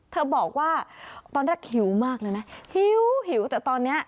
บอกว่าตอนแรกหิวมากเลยนะหิวแต่ตอนนี้